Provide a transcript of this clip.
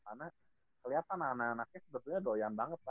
karena keliatan anak anaknya sebetulnya doyan banget